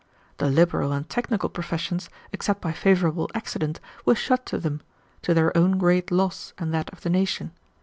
The liberal and technical professions, except by favorable accident, were shut to them, to their own great loss and that of the nation.